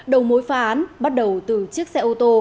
đầu mối phá án bắt đầu từ chiếc xe ô tô